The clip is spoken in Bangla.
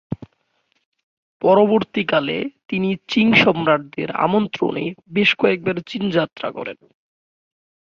পরবর্তীকালে তিনি চিং সম্রাটদের আমন্ত্রণে বেশ কয়েকবার চীন যাত্রা করেন।